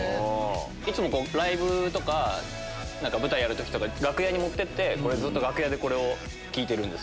いつもライブとか舞台やる時とか楽屋に持ってってずっと楽屋でこれを聴いてるんです。